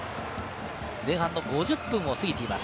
前半５０分を過ぎています。